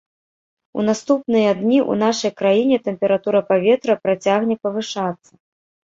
У наступныя дні ў нашай краіне тэмпература паветра працягне павышацца.